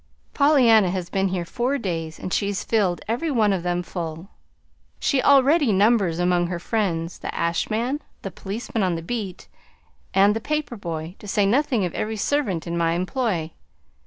Pollyanna has been here four days, and she's filled every one of them full. She already numbers among her friends the ash man, the policeman on the beat, and the paper boy, to say nothing of every servant in my employ.